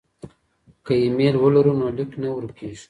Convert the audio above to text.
که ایمیل ولرو نو لیک نه ورکيږي.